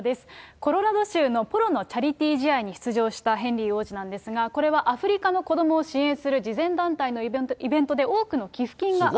コロラド州のポロのチャリティー試合に出場したヘンリー王子なんですが、これはアフリカの子どもを支援する慈善団体のイベントで、すごいですね。